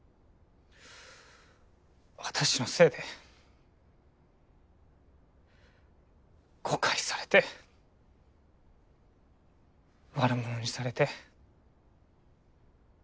私のせいで誤解されて悪者にされて。